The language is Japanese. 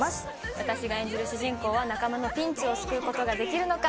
私が演じる主人公は仲間のピンチを救うことができるのか？